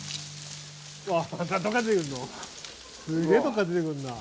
すげえとこから出てくるな。